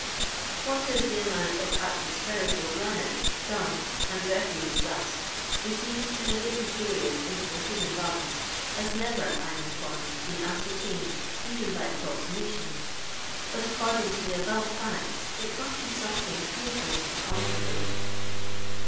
'' What is the amount of atmospherical granite, dung, and rofuse dnst received in a given period into the human lungs, has never, I am informed, been ascertained even by approximation ; but ac cording to the above feoto it must be remething fearful to contemplate.